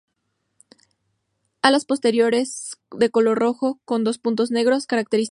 Alas posteriores de color rojo, con dos puntos negros característicos.